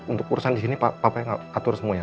untuk urusan disini papa yang atur semua ya